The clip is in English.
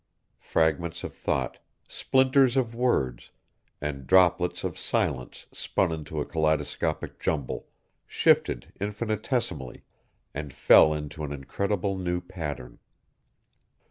Fragments of thought, splinters of words, and droplets of silence spun into a kaleidoscopic jumble, shifted infinitesimally, and fell into an incredible new pattern.